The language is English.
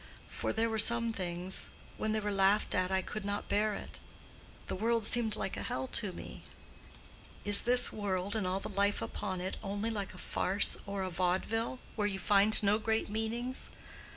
For there were some things—when they were laughed at I could not bear it: the world seemed like a hell to me. Is this world and all the life upon it only like a farce or a vaudeville, where you find no great meanings?